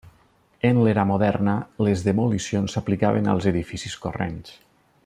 En l'era moderna, les demolicions s'aplicaven als edificis corrents.